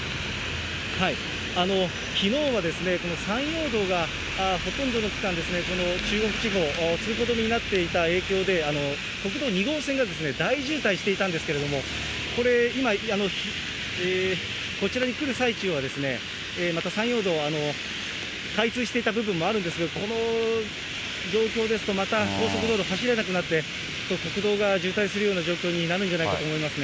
きのうはこの山陽道がほとんどの区間、中国地方、通行止めになっていた影響で、国道２号線が大渋滞していたんですけれども、これ、今、こちらに来る最中は、また山陽道、開通していた部分もあるんですが、この状況ですと、また高速道路走れなくなって、国道が渋滞するような状況になるんじゃないかと思いますね。